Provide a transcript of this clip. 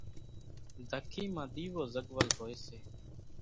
ڌکي مان ۮيوو زڳول ھوئي سي۔